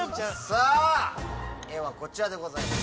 さぁ絵はこちらでございます。